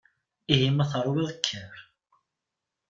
Ihi ma teṛwiḍ kker.